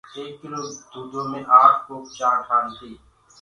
ايڪ ڪلو دودو مي آٺ ڪوپ چآنٚه ٺآن تي